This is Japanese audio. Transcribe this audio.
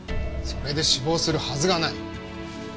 それで死亡するはずがない。